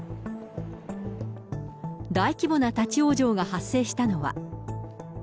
大規模な立往生が発生したのは。